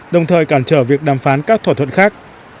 đồng thời cản trở việc đàm phán các thỏa thuận khác